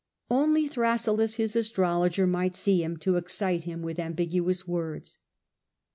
Only Thrasyllus, his astrologer, might see him, to excite him with ambiguous words.